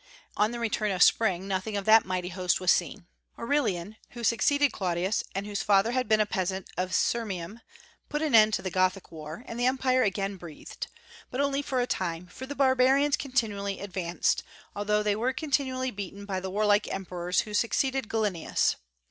On the return of spring nothing of that mighty host was seen. Aurelian who succeeded Claudius, and whose father had been a peasant of Sirmium put an end to the Gothic war, and the Empire again breathed; but only for a time, for the barbarians continually advanced, although they were continually beaten by the warlike emperors who succeeded Gallienus.